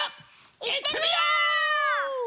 いってみよう！